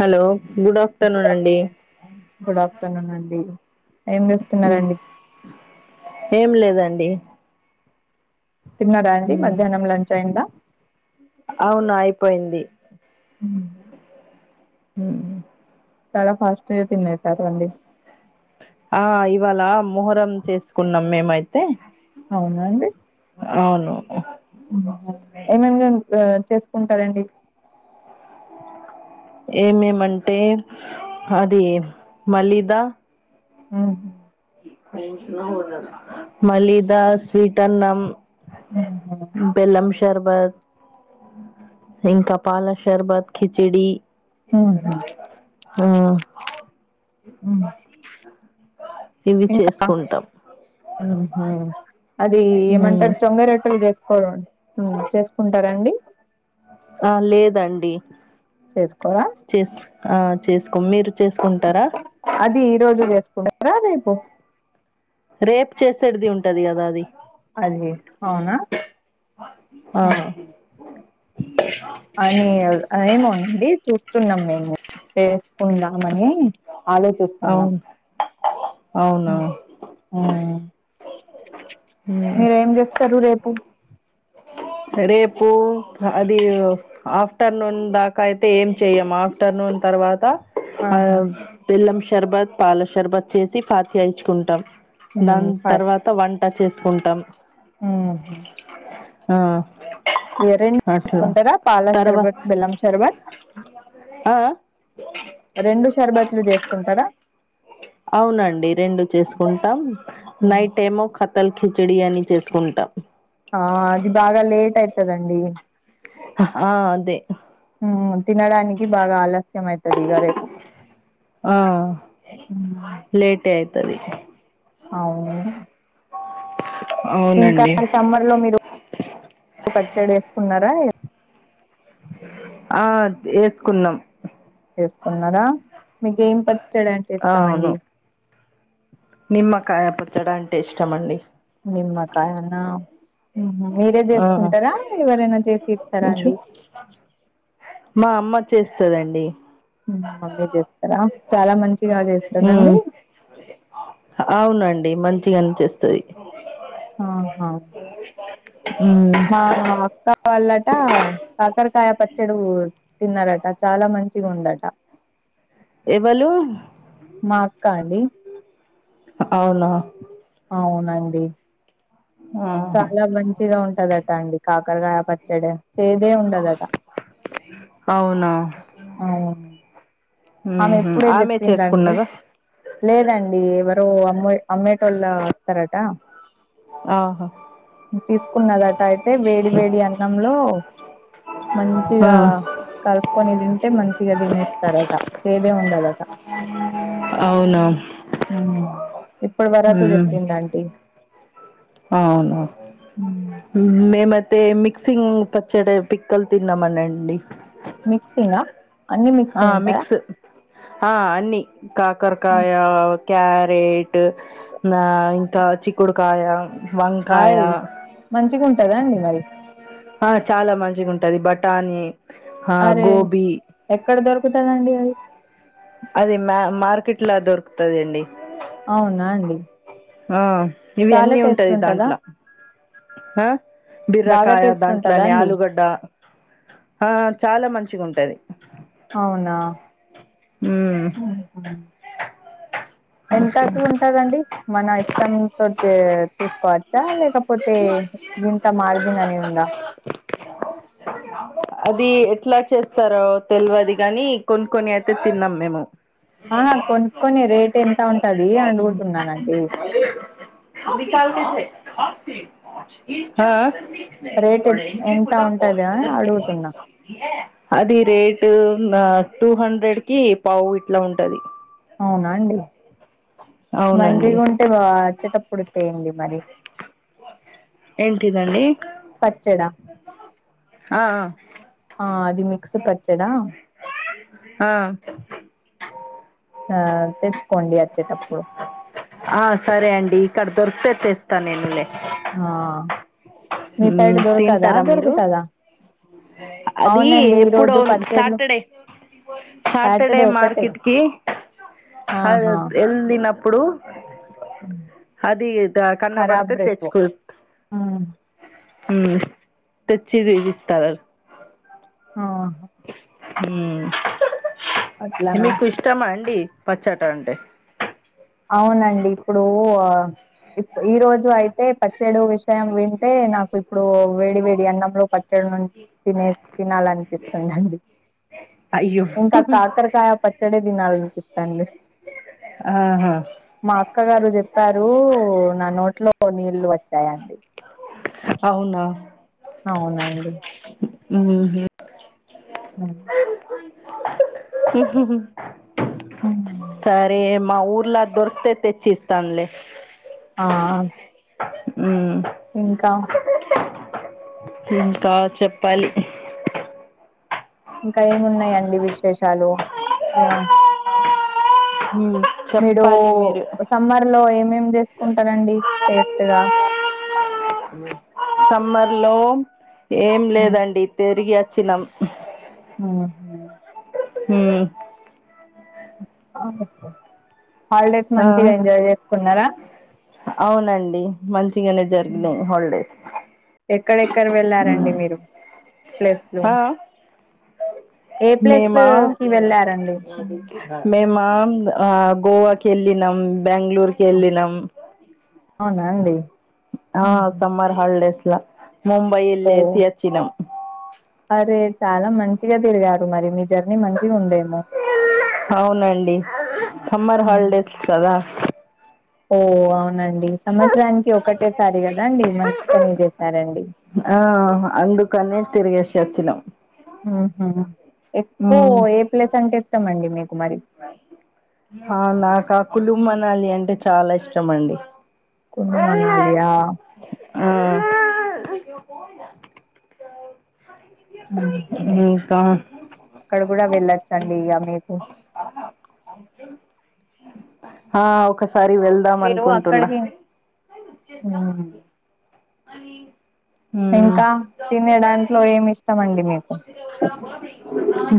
Hello good aft good of good afternoon అండి ఏం చేస్తున్నారండి ఏం లేదండి తిన్నారాండి మధ్యాహ్నం లంచ్ అయిందా అవును అయిపోయింది ఉ ఉం చాలా ఫాస్ట్గా తియితారువండి [unintelligible] ఆ ఇవాళ మొహరం చేసుకున్నాం మేమైతే అవునాండి అవును ఏమేం [unintelligible] చేసుకుంటారండి ఎం ఎం అంటే హాలి మలిదా ఆహ మలీదా స్వీట్ అన్నం బెల్లం షర్బత్ [inaudible] ఇంకా పాల షర్భత్ కిచిడి ఆ [inaudible] ఇవి ఇంకా చేసుకుంటాం ఉహు అది ఉమ్, ఏమంటర్ చొంగ రొట్టెల్ చేస్కోరు ఉ చేస్కుంటారండి ఆ లేదండి చేసుకోరా చేస్ ఆ చేస్కోం మీరు చేస్కుంటారా అది ఈరోజు చేస్కుంటారా రేపు రేపు చేసేది ఉంటది కదా అది అది ఔనా [inaudible] ఆ ఉహు అని అ ఏమోనండి చూస్తున్నాం మేము చేస్కుందామని ఆలోచిస్తున్నాం ఔనా ఆ [inaudible] మీరేం చేస్తరు రేపు రేపు అది ఆఫ్ ఆఫ్టర్నూన్ దాకా ఏం చెయ్యం ఆఫ్టర్నూన్ తర్వాత ఆ ఆహా బెల్లం షర్బత్ పాలషర్బత్ చేసి ఫాత్యా ఇచ్చుకుంటాం మ్మ్ దాని ప తర్వాత త వంట చేస్కుంటాం ఉహు ఆ ఎ రెండు అట్లా తీస్కుంటారా పాల తర్వా షర్బత్ బెల్లం షర్బత్ ఆ రెండు షర్బత్లు జేస్కుంటారా ఔనండి రెండు చేస్కుంటాం ఉమ్. నైట్ ఏమో క తల్ కిచిడి అని చేస్కుంటాం ఆ అది బాగా లేటైతదండి ఆ అదే హ తినడానికి బాగా ఆలస్యమైతది ఇగ రే ఆ ఉమ్. లేేటే అయితది ఔను [inaudible] ఇంకా అవునండి సమ్మర్ లో మీరు [inaudible] పచ్చడి ఏస్కున్నారా ఆ ఏస్కున్నం చేస్కున్నారా మీకు ఏం పచ్చడంటే ఆ అవును ఇష్టమండి నిమ్మకాయ పచ్చడంటే ఇష్టం అండి నిమ్మకాయనా మీరే ఆ చేస్కుంటారా ఎవరైనా చేసి ఇస్తారా కొంచెం అండి మా అమ్మ చేస్తదండి మమ్మీ చేస్తారా చాలా మంచిగా చేస్తదండి ఔనండి మంచిగానే చేస్తది ఆహా ఊ ఆహా అక్క వాళ్ళట కాకరకాయ పచ్చడు తిన్నారట చాలా మంచిగుందట ఎవలు మా అక్క అండి అవునా ఔనండి ఆహా చాలా మంచిగా ఉంటదట అండి కాకరగాయ పచ్చడ చేదే ఉండదట అవునా అవును ఆమె ఉహు ఇప్పుడే ఆమె జెప్పిందండి చేసుకున్నదా లేదండి ఎవరో అమ్మే అమ్మేటోళ్ళ అస్తరట ఆహా తీస్కున్నదట ఐతే వేడి వేడి అన్నంలో ఆ, మంచిగా కలుపుకొని తింటే మంచిగా తినేస్తారట చేదే ఉండదట అవునా ఇప్పడి వరకూ చెప్పిందాంటీ అవును ఊహూ మేమైతే మిక్సింగ్ పచ్చడె పిక్కల్ తిన్నామనండి మిక్సింగ్ ఆ అన్ని ఆ మిక్స్ ఆ అన్నీ కాకరకాయ క్యారేట్ నా ఇంకా చిక్కుడుకాయ వంకాయ ఆయ్ మంచిగుంటదా అండి మరి హా చాలా మంచిగుంటది బఠానీ ఆహ్, అరే గోబీ ఎక్కడ దొరుకుతదండి అది అది మ్యా మార్కెట్ లో దొరుకుతది అండి అవునా అండి ఆ ఇవి చాలా అన్నీ టేస్ట్ ఉంటది ఉంటదా దాంట్ల హా బాగా బిర్రకాయ టేస్ట్ ఉంటదా దాంట్లనే అండి ఆలూగడ్డ హా చాలా మంచిగుంటది అవునా ఆహా ఎంతకు ఉన్ టదండి మన ఇష్టంతోటి చే తీసుకోవచ్చా లేకపోతే గింత మార్జిన్ అని ఉందా అది ఎట్ల చేస్తరో తెల్వది గానీ కొను కొని అయితే తిన్నాం మేము ఆహా కొనుక్కొని రేట్ ఎంత ఉంటది అడుగుతున్నానండి ఆ ఆ రేట్ ఎం ఎంత ఉంటదా అడుగుతున్నా అది రేటు నా టూ హండ్రెడ్ కి పావు ఇట్లా ఉంటాది అవునా అండి అవునండి మంచిగుంటే బా వచ్చేటప్పుడు తేండి మరి ఏంటిదండి పచ్చడా ఆ ఆ ఆ అది మిక్స్ పచ్చడ ఆ ఆ తెచ్చుకొండి అచ్చేటప్పుడు ఆ సరే అండి ఇక్కడ దొరికితే తెస్తా నేను లే ఆ మీ సైడ్ దొరకదా తింటారా మీరు దొరుకుతదా అది అవునండి ఎప్పుడో ఈరోజు పచ్చేడ్లు సాటర్డే సాటర్డే మార్కెట్కి అ ఆహా ఎళ్లినం పుడు అది ద కన్నబడితే తెచ్చుకో ఆ ఉమ్ తెచ్చిదిగి ఇస్తార ఆ ఉమ్ అట్లనా మీకు ఇష్టమా అండి పచ్చట అంటే? అవునండి ఇప్పుడు ఆ ఇప్ ఈ రోజు అయితే పచ్చేడు విషయం వింటే, నాకు ఇప్పుడు వేడి వేడి అన్నంలో పచ్చడి ను తినే తినాలనిపిస్తుందండి. అయ్యో ఇంకా కాకరకాయ పచ్చడే తినాలినిపిస్తాంది. ఆహా మా అక్క గారు చెప్పారు, నా నోట్లో నీళ్లు వచ్చాయండి. అవునా అవునండి ఉహు ఉమ్. ఉహు హు ఉమ్ సరే మా ఊర్ల దొరికితే తెచ్చిస్తన్లే. ఆ ఉమ్ ఇంకా ఇంకా చెప్పాలి ఇంకా ఏమున్నాయండి విశేషాలు, ఇగ ఉమ్ మీడో సమ్మర్ లో ఏమేమ్ చేసుకుంటరండి సేఫ్ట్ గా? సమ్మర్ లో ఏం హ్మ్. లేదండి, తిరిగి అచ్చినమ్ అవునా ఉమ్ హాలిడేస్ ఆ, మంచిగా ఎంజాయ్ చేసుకున్నరా? అవునండి మంచిగనే జరిగినయి హాల్డేస్. ఎక్కడెక్కడ వెళ్ళారండి మీరు, ప్లేస్లు? మేమా కి వెళ్ళారండి మేమ్ అ గోవాకెళ్ళినమ్, బ్యాంగ్ళూర్ కెళ్ళినం. అవునా అండి? ఆ సమ్మర్ హాలిడేస్లా, మొంబై ఓ ఎల్లేసి అచ్చినం. అరే చాలా మంచిగ తిరిగారు మరి, మీ జర్నీ మంచిగా ఉండేమో అవునండి, సమ్మర్ హాలిడేస్ కదా ఓ అవునండి, సంవత్సరానికి ఒకటేసారి కదా అండి, మంచి పనే చేసారండి. ఆ అందుకనే తిరిగేశి అచ్చినం. ఉహు ఎక్కువో ఉమ్ ఏ ప్లేస్ అంటే ఇష్టం అండి మీకు మరి? ఆ నాకా కులు మనాలి అంటే చాలా ఇష్టం అండి. కును మనాలియా? ఆ ఉహు ఇంకా అక్కడ గుడా వెళ్ళొచ్చండి ఇగ మీకు. ఆ ఒకసారి వెళ్ మీరు అక్కడికి మ్మ్ అని ఇంకా తినే దాంట్లో ఏమి ఇష్టం అండి మీకు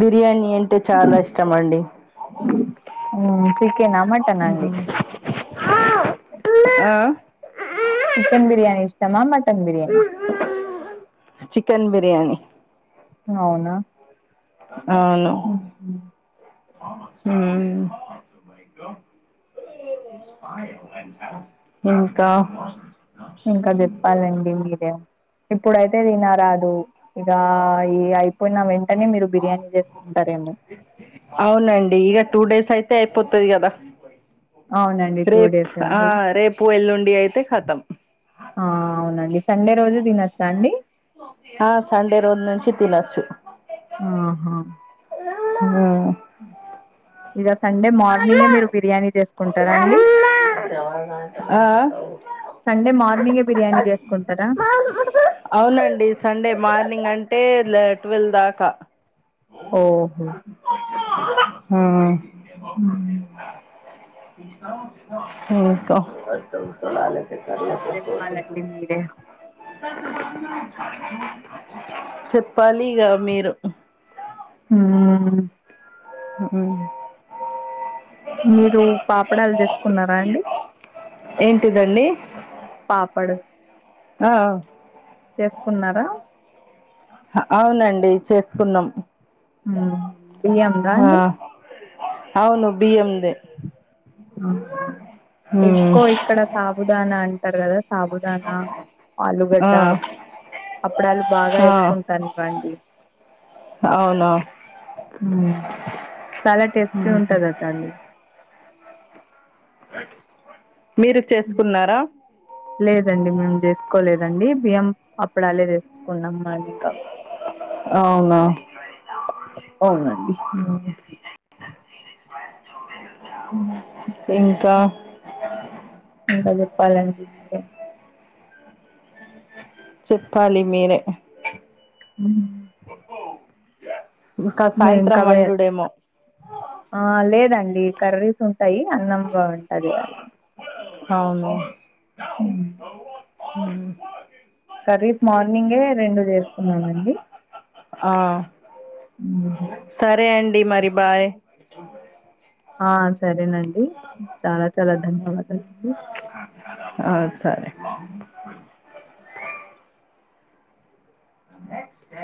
బిర్యానీ అంటే చాలా ఇష్టం అండి ఆమ్ చికెనా మటనా అండి ఆ చికెన్ బిర్యానీ ఇష్టమా మటన్ బిర్యానీ చికెన్ బిర్యానీ అవునా అవును హుహు. ఉమ్ ఇంకా ఇంకా జేప్పాలండి మీరే ఇప్పుడైతే తినారాదు ఇగ అ ఈ అయిపోయిన వెంటనే మీరు బిర్యానీ చేసుకుంటారేమో అవునండి ఇగ టూ డేస్ అయితే అయిపోతది కదా అవునండి రేప్ డేసే ఆ ఉంది. రేపు ఎళ్ళుండి అయితే కతం ఆ అవునండి సండే రోజు దినోచ్చా అండి ఆ సండే రోజ నుంచి తినొచ్చు ఆహా అమ్మ ఆ ఇగ సండే మార్నింగే మీరు ఉమ్. బిర్యానీ చేసుకుంటారా అండి ఆ ఆ సండే మార్నింగే బిర్యానీ చేసుకుంటారా అవునండి సండే మార్నింగ్ అంటే లే టువెల్ దాకా ఓహో ఉమ్ ఇంకా ఎక్కడ్ లేక పొతే చెప్పాలండి మీరే చెప్పాలిగా మీరు హ్మ్ ఉ ఉమ్ మీరు పాప్డాల్ చేస్కున్నారా అండి ఏంటిదండి పాపడ్ ఆ చేస్కున్నారా హ అవ్నండి చేస్కున్నాం ఉం బియ్యందా అండి అవ్ను బిఎమ్ దే ఆ హ ఎక్కువ్ ఇక్కడ సాబుదానా అంటార్ కదా సాబుదనా ఆ ఆలూగడ్డ అప్పడాలు బాగా ఆ ఏస్కుంటాన్ ఇవ్వండి అవునా ఉమ్ చాలా టేస్టీ ఉంటదాట అండి మీరు చేస్కున్నారా లేదండి మేమ్ చేస్కోలేదండి బియ్యం అప్పడాలే వేస్కున్నామ్ ఇంక అవునా అవ్నండి ఆ ఉమ్ ఇంకా ఇంకా చెప్పాలండి మీరే చెప్పాలి మీరే ఉమ్ ఇంకా మేం ఇంక సాయంత్రం వండుడేమో ఆ లేదండి కర్రీస్ ఉంటాయి అన్నం బాఉంటది అలా ఔనా ఉమ్ ఉమ్ కర్రీస్ మార్నింగే రెండు చేస్కున్నామండి ఆ హ్మ్. సరే అండి మరి బాయ్ ఆ సరేనండి చాలా చాలా ధన్యవాదాలండి ఆ సరే ఆ నెక్స్ డే